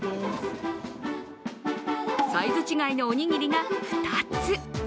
サイズ違いのおにぎりが２つ。